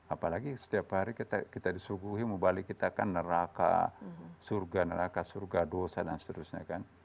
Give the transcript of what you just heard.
apalagi setiap hari kita disuguhi mubalik kita kan neraka surga neraka surga dosa dan seterusnya kan